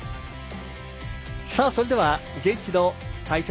それでは現地の解説